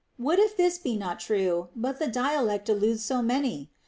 What if this be not true, but the dialect de ludes so many'?